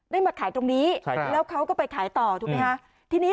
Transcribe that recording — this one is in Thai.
ได้มาขายตรงนี้แล้วเขาก็ไปขายต่อถูกไหมฮะ